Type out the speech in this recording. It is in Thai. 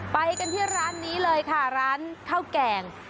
ไปกันที่ร้านนี้เลยค่ะร้านข้าวแกง